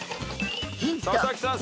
佐々木さん